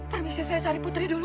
permisi saya cari putri dulu